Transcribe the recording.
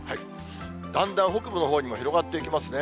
だんだん北部のほうに広がっていきますね。